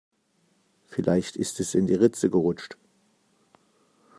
Vielleicht ist es in die Ritze gerutscht.